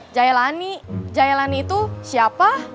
jailani itu siapa